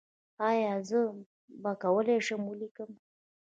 ایا زه به وکولی شم ولیکم؟